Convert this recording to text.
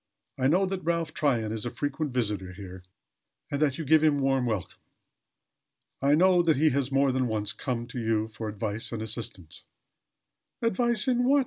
I know that Ralph Tryon is a frequent visitor here and that you give him warm welcome. I know that he has more than once come to you for advice and assistance " "Advice, in what?"